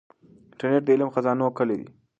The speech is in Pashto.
انټرنیټ د علم د خزانو کلي ده.